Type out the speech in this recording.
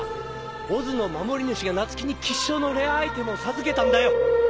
ＯＺの守り主がナツキに吉祥のレアアイテムを授けたんだよ！